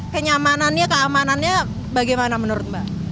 kenyamanannya keamanannya bagaimana menurut mbak